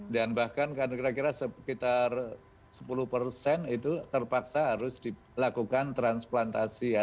dan bahkan kira kira sekitar sepuluh itu terpaksa harus dilakukan transplantasi hati